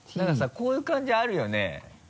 こういう感じあるよね。